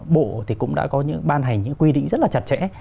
bộ thì cũng đã có những ban hành những quy định rất là chặt chẽ